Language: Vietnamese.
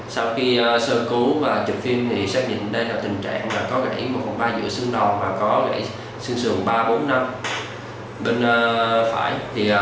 sau khi sơ cứu và chụp phim thì xác định đây là tình trạng có gãy một phần ba giữa xương đòn và có gãy xương xườn ba bốn năm bên phải